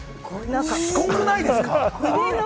すごくないですか？